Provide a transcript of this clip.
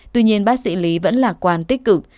tuy nhiên bác sĩ lý vẫn lạc quan tích cực